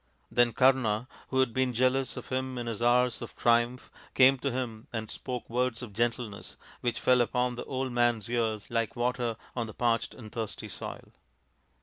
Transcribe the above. Then Kama, who had been jealous of him in his hours of triumph, came to him and spoke words of gentleness which fell upon the old man's ears like water on the parched and thirsty soil.